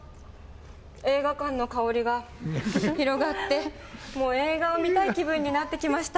映画館の香りが広がって、もう映画を見たい気分になってきました。